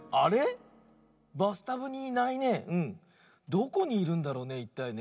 どこにいるんだろうねいったいね。